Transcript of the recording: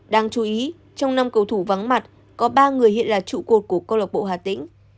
đáng chú ý trong năm cầu thủ vắng mặt có ba người hiện là trụ cột của câu lạc bộ hà tĩnh